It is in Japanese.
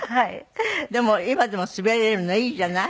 でも今でも滑れるのいいじゃない。